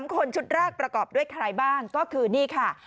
คนชุดแรกประกอบด้วยใครบ้างก็คือนี่ค่ะ